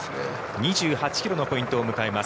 ２８ｋｍのポイントを迎えます